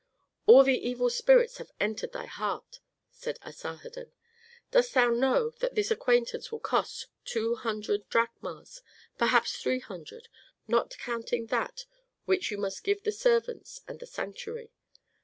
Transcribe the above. "All the evil spirits have entered thy heart," said Asarhadon. "Dost thou know that this acquaintance will cost thee two hundred drachmas, perhaps three hundred, not counting that which thou must give the servants and the sanctuary.